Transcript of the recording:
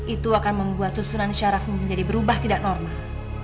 itu akan membuat susunan syaraf menjadi berubah tidak normal